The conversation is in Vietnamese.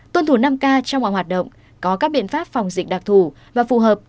tuân thủ năm k trong mọi hoạt động có các biện pháp phòng dịch đặc thù và phù hợp